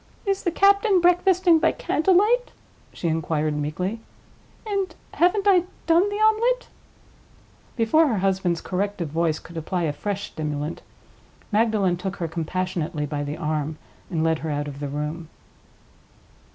"Is the captain breakfasting by candle light?" she inquired, meekly. "And haven't I done the omelette?" Before her husband's corrective voice could apply a fresh stimulant, Magdalen took her compassionately by the arm and led her out of the room.